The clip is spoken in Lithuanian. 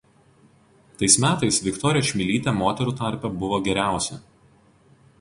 Tais metais Viktorija Čmilytė moterų tarpe buvo geriausia.